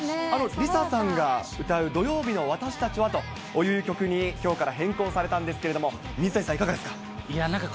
ＬｉＳＡさんが歌う土曜日のわたしたちはという曲にきょうから変更されたんですけれども、水谷さん、いかがですか。